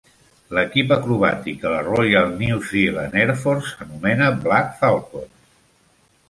L'equip acrobàtic de la "Royal New Zealand Air Force" s'anomena "Black Falcons".